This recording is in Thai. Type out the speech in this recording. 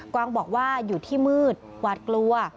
วางบอกว่าอยู่ที่มืดหวาดกลัว